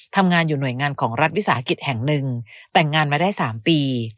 ทำงานอยู่หน่วยงานของรัฐวิสาหกิจแห่งหนึ่งแต่งงานมาได้๓ปี